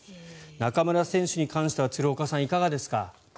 中村選手に関しては鶴岡さんいかがですか？